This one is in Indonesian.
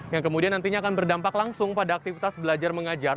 yang kemudian nantinya akan berdampak langsung pada aktivitas belajar mengajar